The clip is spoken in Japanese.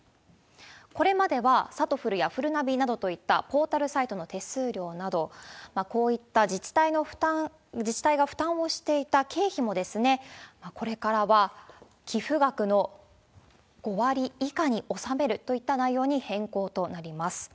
これまでは、さとふるやふるナビなどといったポータルサイトの手数料など、こういった自治体の負担、自治体が負担をしていた経費もこれからは、寄付額の５割以下に収めるといった内容に変更となります。